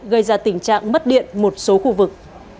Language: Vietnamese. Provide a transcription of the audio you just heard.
gây ra tình trạng mất điện một số khu vực